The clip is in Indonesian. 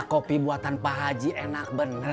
kopi buatan pak haji enak bener